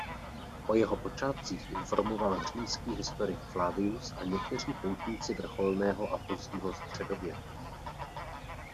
O jeho počátcích informoval římský historik Flavius a někteří poutníci vrcholného a pozdního středověku.